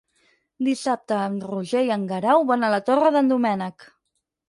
Dissabte en Roger i en Guerau van a la Torre d'en Doménec.